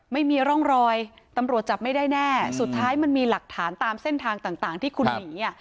ไม่มีร่องรอยตำรวจจับไม่ได้แน่สุดท้ายมันมีหลักฐานตามเส้นทางต่างที่คุณหนีอ่ะ